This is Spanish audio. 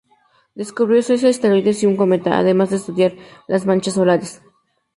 Descubrió seis asteroides y un cometa, además de estudiar las manchas solares.